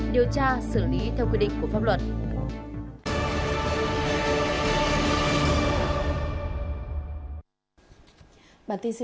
điều tra xử lý theo quy định của pháp luật